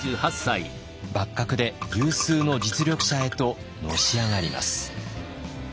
幕閣で有数の実力者へとのし上がります。